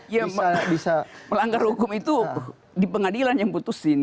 ya pelanggar hukum itu di pengadilan yang putusin